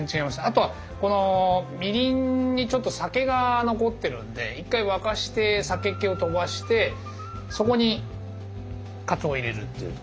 あとはこのみりんにちょっと酒が残ってるんで１回沸かして酒気を飛ばしてそこにかつおを入れるっていう。